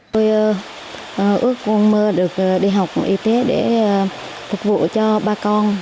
tôi ước mong được đi học y tế để phục vụ cho ba con